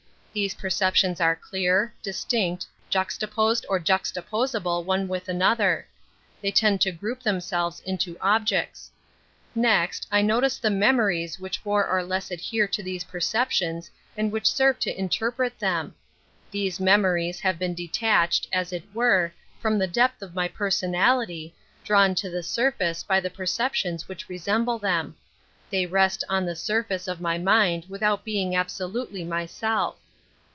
These perceptions are clear. distinct, juxtaposed or jiistaposable one with another; they tend to group them selves into objects. Next, I notice the memories which more or less adhere to these perceptions and which serve to in terpret them. These memories have been detached, as it were, from the depth of my jKjrsonality, drawn to the surface by the perceptions which I'esemble them ; they rest on the surface of my mind without being absolutely myself.